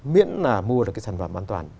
miễn là mua được cái sản phẩm an toàn